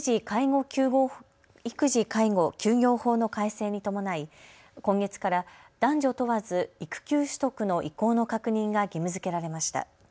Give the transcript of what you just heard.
育児・介護休業法の改正に伴い今月から男女問わず育休取得の意向の確認が義務づけられました。